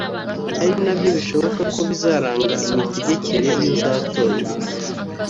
ari nabyo bishoboka ko bizaranga imitegekere y’uzatorwa